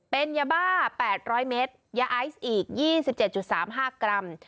เป็นยาบ้า๘๐๐เมตรยาไอซ์อีก๒๗๓๕กรัม